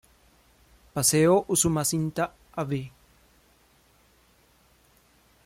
Paseo Usumacinta, Av.